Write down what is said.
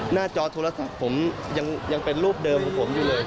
จอโทรศัพท์ผมยังเป็นรูปเดิมของผมอยู่เลย